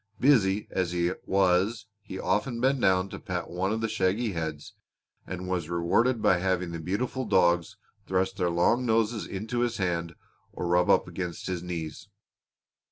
Busy as he was he often bent down to pat one of the shaggy heads, and was rewarded by having the beautiful dogs thrust their long noses into his hand or rub up against his knees.